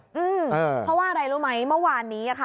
เพราะว่าอะไรรู้ไหมเมื่อวานนี้ค่ะ